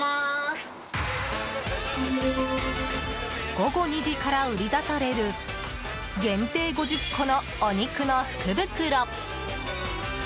午後２時から売り出される限定５０個のお肉の福袋。